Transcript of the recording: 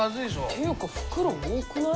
っていうか袋多くない？